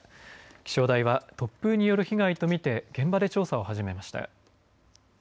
気象台は突風による被害と見て現場で調査を始めました。